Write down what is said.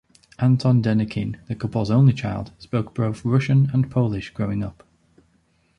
Anton Denikin, the couple's only child, spoke both Russian and Polish growing up.